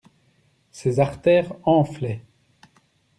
Ses artères enflaient.